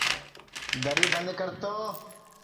دری بند کر تو